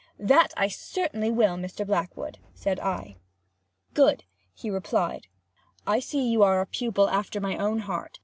"That I certainly will, Mr. Blackwood," said I. "Good!" he replied. "I see you are a pupil after my own heart.